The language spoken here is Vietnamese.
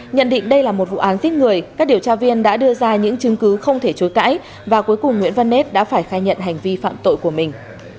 nhận định đây là một vụ án giết người các điều tra viên đã đưa ra những chứng cứ không thể chối cãi và cuối cùng nguyễn văn nết đã phải khai nhận hành vi phạm tội của mình